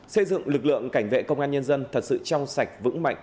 xây dựng lực lượng cảnh vệ công an nhân dân thật sự trong sạch vững mạnh